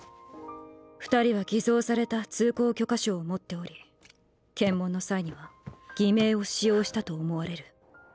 二人は偽造された通行許可証を持っており検問の際には偽名を使用したと思われる。